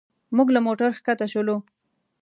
موږ له موټر ښکته شولو.